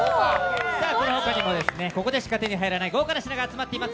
このほかにも、ここでしか手に入らない豪華な品が集まっています。